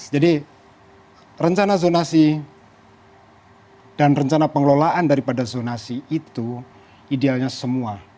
jadi rencana zonasi dan rencana pengelolaan daripada zonasi itu idealnya semua